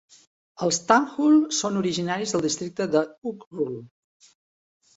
Els Tangkhul són originaris del districte d'Ukhrul.